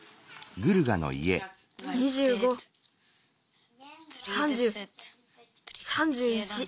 ２５３０３１。